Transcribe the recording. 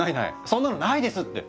そんなのないですって。